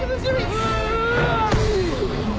うわ！